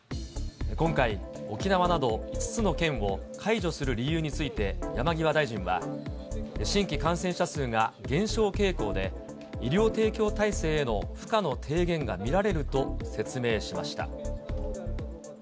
今回、沖縄など、５つの県を解除する理由について、山際大臣は、新規感染者数が減少傾向で、医療提供体制への負荷の低減が見られると説明しました。